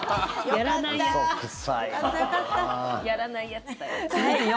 やらないやつだよ。